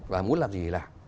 và muốn làm gì